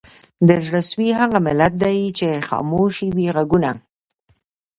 د زړه سوي هغه ملت دی چي خاموش یې وي ږغونه